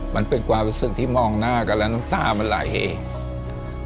มันเป็นความรู้สึกที่มองหน้ากันแล้วน้ำตามันหลายเหตุ